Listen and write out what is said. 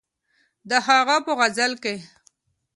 د هغه په غزل کښې